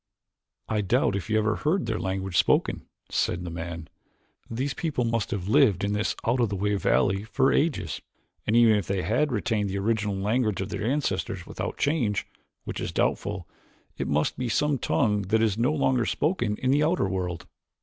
"I doubt if you ever heard their language spoken," said the man. "These people must have lived in this out of the way valley for ages and even if they had retained the original language of their ancestors without change, which is doubtful, it must be some tongue that is no longer spoken in the outer world."